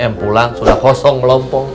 m pulang sudah kosong melompong